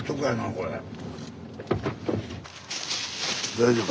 大丈夫？